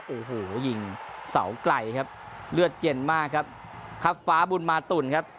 โอ้โหยิงเสาไกลครับเลือดเย็นมากครับครับฟ้าบุญมาตุ๋นครับ